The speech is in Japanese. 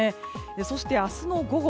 そして明日の午後